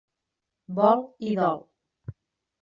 Vol i dol.